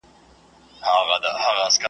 د پوه سړي دوستي زیان نه لري .